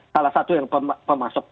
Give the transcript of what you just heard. salah satu yang pemasok